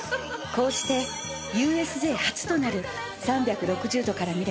［こうしてＵＳＪ初となる３６０度から見れ